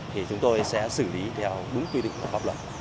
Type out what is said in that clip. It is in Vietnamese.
thì chúng tôi sẽ xử lý theo đúng quy định của pháp luật